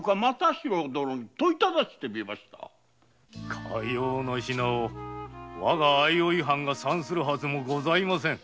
かような品をわが相生藩が産するはずもございません。